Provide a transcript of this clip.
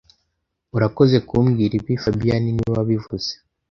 Urakoze kumbwira ibi fabien niwe wabivuze